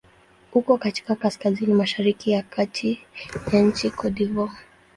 Uko katika kaskazini-mashariki ya kati ya nchi Cote d'Ivoire.